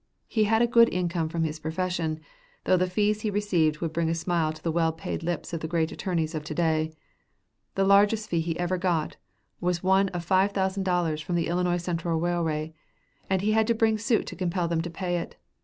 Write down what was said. He had a good income from his profession, though the fees he received would bring a smile to the well paid lips of the great attorneys of to day. The largest fee he ever got was one of five thousand dollars from the Illinois Central Railway, and he had to bring suit to compel them to pay it.